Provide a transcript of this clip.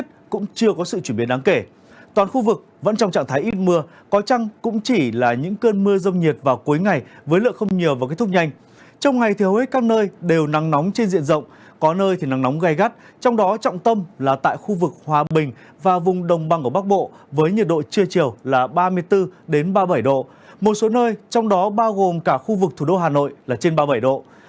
trong ngày thì hầu hết các nơi đều nắng nóng trên diện rộng có nơi thì nắng nóng gai gắt trong đó trọng tâm là tại khu vực hòa bình và vùng đồng băng của bắc bộ với nhiệt độ trưa chiều là ba mươi bốn ba mươi bảy độ một số nơi trong đó bao gồm cả khu vực thủ đô hà nội là trên ba mươi bảy độ